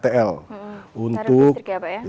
tarif listrik ya pak ya